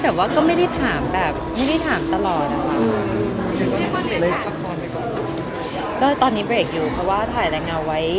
แต่ว่าก็ไม่ได้ถามแบบไม่ได้ถามตลอดนะคะ